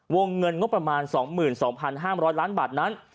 วงเงินงบประมาณ๒๒๕๐๐ล้านบาทนั้น